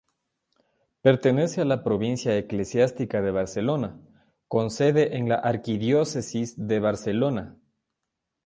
Pertenece a la provincia eclesiástica de Barcelona, con sede en la archidiócesis de Barcelona.